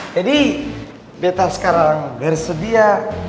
jadi bete sekarang bersedia